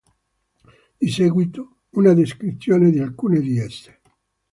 Di seguito una descrizione di alcune di esse.